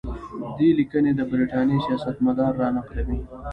دې لیکنې د برټانیې سیاستمدار را نقلوي.